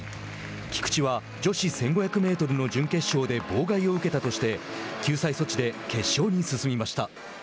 菊池は女子１５００メートルの準決勝で妨害を受けたとして救済措置で決勝に進みました。